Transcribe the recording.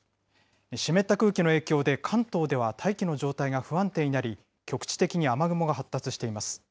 湿った空気の影響で、関東では大気の状態が不安定になり、局地的に雨雲が発達しています。